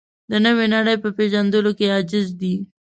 د نوې نړۍ په پېژندلو کې عاجز دی.